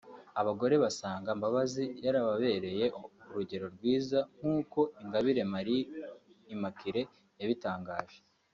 abagore basanga Mbabazi yarababereye urugero rwiza nk’uko Ingabire Marie Immaculée yabitangaje